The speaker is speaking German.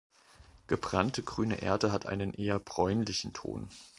Gebrannte grüne Erde hat einen eher bräunlichen Ton.